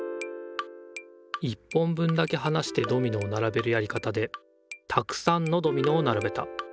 １本分だけはなしてドミノをならべるやり方でたくさんのドミノをならべた。